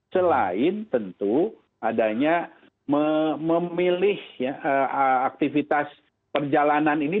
selain tentu adanya memilih aktivitas perjalanan ini